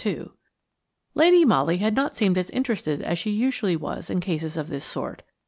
2 LADY MOLLY had not seemed as interested as she usually was in cases of this sort.